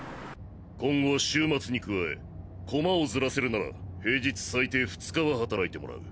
今後は週末に加えコマをズラせるなら平日最低２日は働いてもらう。